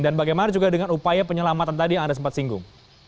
dan bagaimana juga dengan upaya penyelamatan tadi yang anda sempat singgung